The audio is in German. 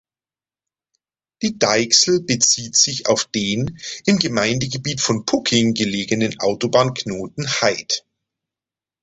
Die Deichsel bezieht sich auf den im Gemeindegebiet von Pucking gelegenen Autobahnknoten Haid.